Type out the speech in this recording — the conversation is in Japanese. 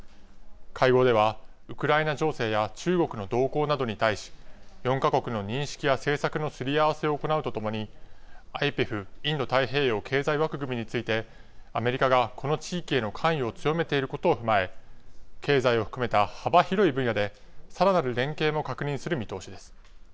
会合ではウクライナ情勢や中国の動向などに対し、４か国の認識や政策のすり合わせを行うとともに、ＩＰＥＦ・インド太平洋経済枠組みについて、アメリカがこの地域への関与を強めていることを踏まえ、経済を含めた幅広い分野で、さらなる連携を確認する見通しです。